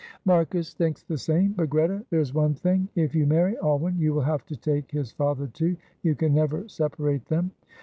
"Marcus thinks the same; but, Greta, there is one thing: if you marry Alwyn, you will have to take his father too; you can never separate them."